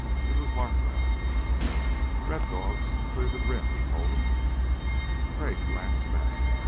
It was Larkwell. "Red Dog's cleared the rim," he told them. Crag glanced back.